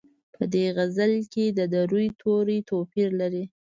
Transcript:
په دې غزل کې د روي توري توپیر لري.